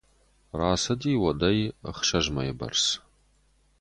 Рацыди уӕдӕй ӕхсӕз мӕйы бӕрц.